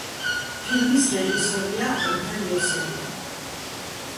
ფილმის რეჟისორია ოთარ იოსელიანი.